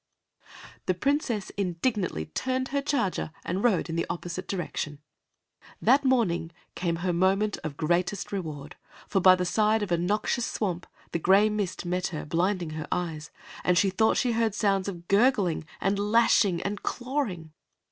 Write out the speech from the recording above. The Princess indignantly turned her charger and rode in the opposite direction. That morning came her moment of great reward, for, by the side of a noxious swamp, a gray mist met her, blinding her eyes, and she thought she heard sounds of gurgling and lashing and clawing.